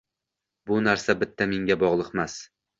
– Bu narsa bitta menga bog‘liqmas